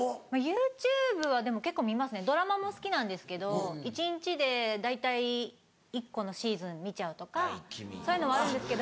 ＹｏｕＴｕｂｅはでも結構見ますねドラマも好きなんですけど一日で大体１個のシーズン見ちゃうとかそういうのはあるんですけど。